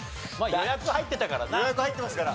予約入ってましたから。